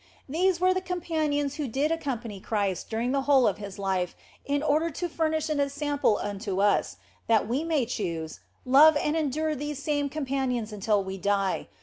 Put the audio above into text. These were the companions who did accompany Christ during the whole of His life in order to furnish an ensample unto us, that we may choose, love and endure these same companions until we die.